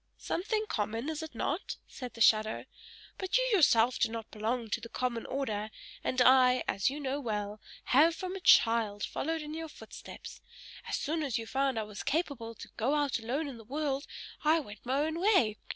"Something common, is it not," said the shadow. "But you yourself do not belong to the common order; and I, as you know well, have from a child followed in your footsteps. As soon as you found I was capable to go out alone in the world, I went my own way.